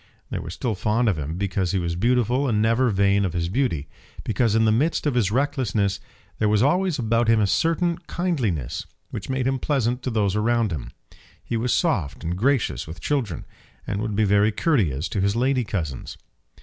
They were still fond of him because he was beautiful and never vain of his beauty; because in the midst of his recklessness there was always about him a certain kindliness which made him pleasant to those around him. He was soft and gracious with children, and would be very courteous to his lady cousins.